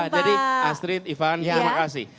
jadi astrid ivan terima kasih